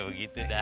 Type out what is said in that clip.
bukan begitu lam